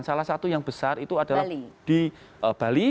salah satu yang besar itu adalah di bali